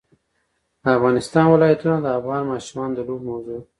د افغانستان ولايتونه د افغان ماشومانو د لوبو موضوع ده.